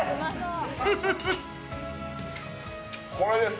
これです。